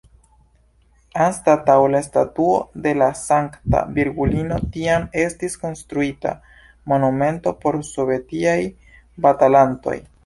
Anstataŭ la statuo de la sankta Virgulino tiam estis konstruita monumento por sovetiaj batalantoj.